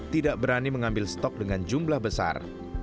tidak berani mengambil stok dengan jumlah besar